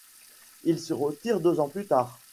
Il se retire deux ans plus tard.